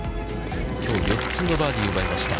きょう、４つのバーディーを奪いました。